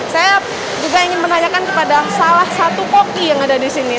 saya juga ingin menanyakan kepada salah satu koki yang ada di sini